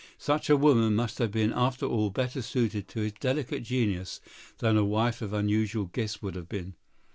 Such a woman must have been, after all, better suited to his delicate genius than a wife of unusual gifts would have been.